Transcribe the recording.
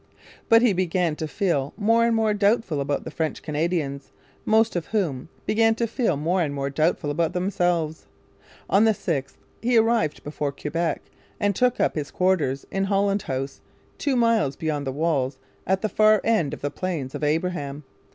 But he began to feel more and more doubtful about the French Canadians, most of whom began to feel more and more doubtful about themselves. On the 6th he arrived before Quebec and took up his quarters in Holland House, two miles beyond the walls, at the far end of the Plains of Abraham.